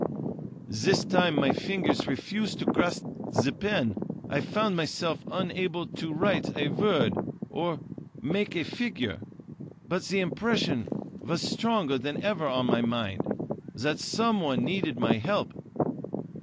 "This time my fingers refused to grasp the pen. I found myself unable to write a word, or make a figure; but the impression was stronger than ever on my mind, that someone needed my help.